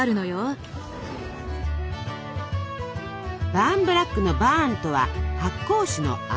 バーンブラックの「バーン」とは発酵酒の泡。